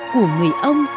của người ông